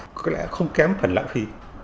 có lẽ không kém phần lãng phí